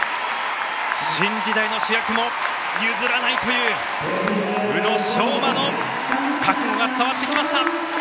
新時代の主役も譲らないという宇野昌磨の覚悟が伝わってきました。